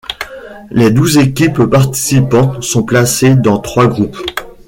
Les douze équipes participantes sont placées dans trois groupes.